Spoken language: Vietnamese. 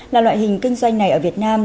là loại hình kinh doanh này ở việt nam